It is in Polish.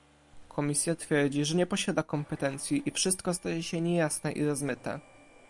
Komisja twierdzi, że nie posiada kompetencji i wszystko staje się niejasne i rozmyte